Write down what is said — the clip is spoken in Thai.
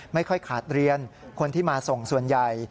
ไม่ค่อยขาดเรียนคนที่มาส่งส่วนใหญ่